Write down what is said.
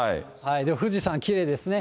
富士山、きれいですね。